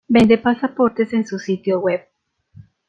Vende pasaportes en su sitio web.